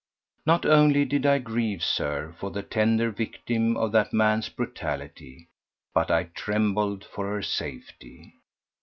Not only did I grieve, Sir, for the tender victim of that man's brutality, but I trembled for her safety.